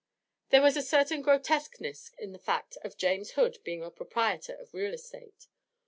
There was a certain grotesqueness in the fact of James Hood being a proprietor of real estate.